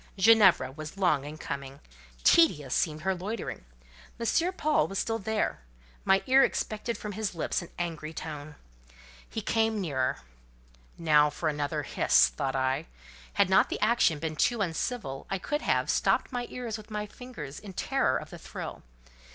Ginevra was long in coming: tedious seemed her loitering. M. Paul was still there; my ear expected from his lips an angry tone. He came nearer. "Now for another hiss!" thought I: had not the action been too uncivil I could have, stopped my ears with my fingers in terror of the thrill.